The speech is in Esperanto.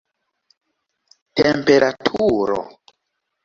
temperaturo